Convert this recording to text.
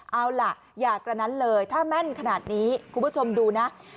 เอาล่ะอย่ากระนั้นเลยถ้าแม่นขนาดนี้คุณผู้ชมดูนะ